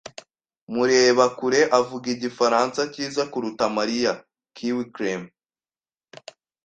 mureba kure avuga igifaransa cyiza kuruta Mariya. (KiwiCreme)